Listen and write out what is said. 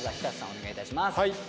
お願いいたします。